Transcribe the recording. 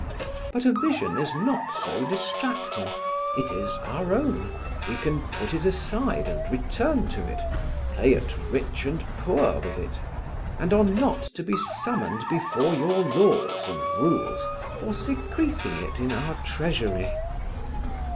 But a vision is not so distracting; it is our own, we can put it aside and return to it, play at rich and poor with it, and are not to be summoned before your laws and rules for secreting it in our treasury.